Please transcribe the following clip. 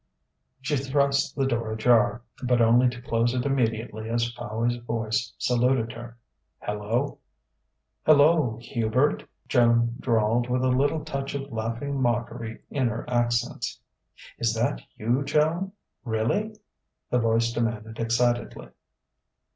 She thrust the door ajar, but only to close it immediately as Fowey's voice saluted her. "Hello?" "Hello, Hubert," Joan drawled, with a little touch of laughing mockery in her accents. "Is that you, Joan really?" the voice demanded excitedly.